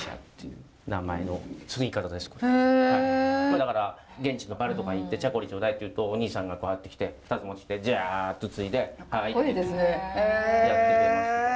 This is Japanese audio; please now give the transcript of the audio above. だから現地のバルとか行ってチャコリ頂戴って言うとおにいさんがこうやって来て２つ持ってきてジャっとついで「はい」ってやってくれます。